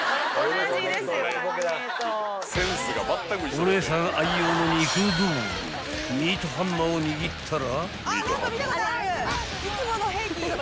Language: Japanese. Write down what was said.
［お姉さん愛用の肉道具ミートハンマーを握ったら］